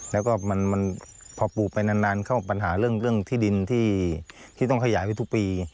แล้วก็มันพอปลูกไปนานเข้าปัญหาเรื่องที่ดินที่ต้องขยายไปทุกปี